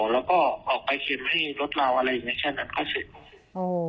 แล้วก็ออกไปชิมให้รถเราอะไรอย่างนี้แค่นั้นก็เสร็จ